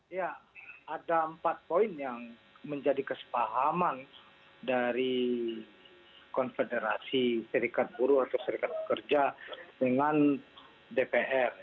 ya ada empat poin yang menjadi kesepahaman dari konfederasi serikat buruh atau serikat pekerja dengan dpr